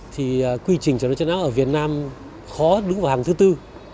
thì quy trình trần đoán chết não ở việt nam khó đứng vào hàng thứ tư